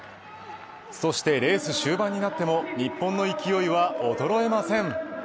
そしてレース終盤になっても日本の勢いは衰えません。